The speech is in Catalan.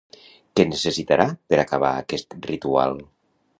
Què necessitarà per acabar aquest ritual?